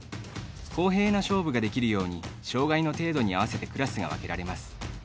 公平な勝負ができるように障がいの程度に合わせてクラスが分けられます。